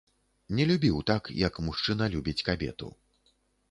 Не любіў так, як мужчына любіць кабету.